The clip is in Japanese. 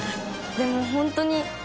でも本当に。